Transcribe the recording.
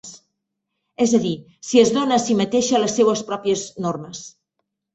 És a dir, si es dona a si mateixa les seues pròpies normes.